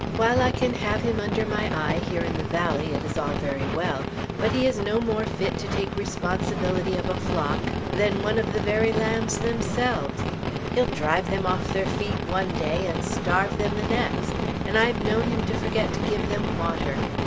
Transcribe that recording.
While I can have him under my eye, here in the valley, it is all very well; but he is no more fit to take responsibility of a flock, than one of the very lambs themselves. He'll drive them off their feet one day, and starve them the next; and I've known him to forget to give them water.